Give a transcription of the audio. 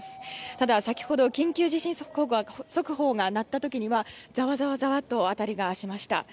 ただ、先ほど緊急地震速報が鳴った時にはざわざわと、辺りがしました。